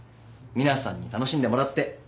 皆さんに楽しんでもらって。